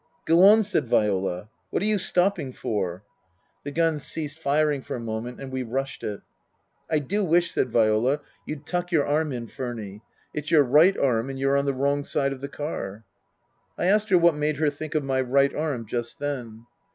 " Go on," said Viola. " What are you stopping for ?" The guns ceased firing for a moment and we rushed it. " I do wish," said Viola, " you'd tuck your arm in, Furny. It's your right arm and you're on the wrong side of the car." I asked her what made her think of my right arm just then.